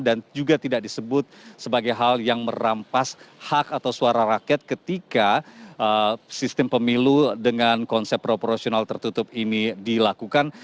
dan juga tidak disebut sebagai hal yang merampas hak atau suara rakyat ketika sistem pemilu dengan konsep proporsional tertutup ini dilakukan